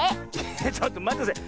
ちょっとまってください。